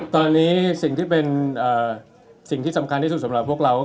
ที่เป็นสิ่งที่สำคัญที่สุดสำหรับพวกเรา